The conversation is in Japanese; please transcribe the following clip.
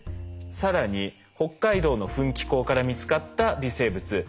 更に北海道の噴気孔から見つかった微生物。